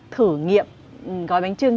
thử nghiệm gói bánh trưng